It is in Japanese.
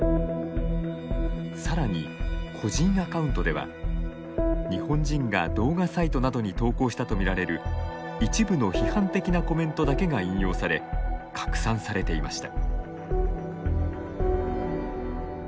さらに個人アカウントでは日本人が動画サイトなどに投稿したとみられる一部の批判的なコメントだけが引用され、拡散されていました。